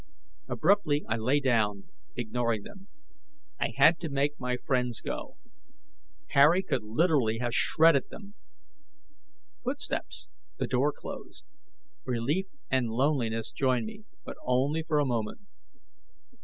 Abruptly, I lay down, ignoring them. I had to make my friends go. Harry could literally have shredded them. Footsteps: the door closed; relief and loneliness joined me, but only for a moment.